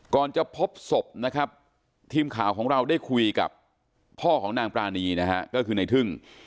จะพบศพนะครับทีมข่าวของเราได้คุยกับพ่อของนางปรานีนะฮะก็คือในทึ่ง